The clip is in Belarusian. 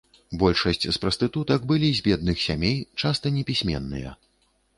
Большасць з прастытутак былі з бедных сямей, часта непісьменныя.